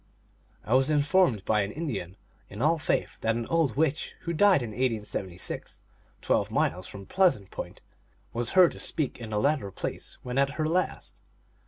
I was informed by an Indian in all faith that an old witch who died in 1876, twelve miles from Pleasant Point, was heard to speak in the latter place when at her last.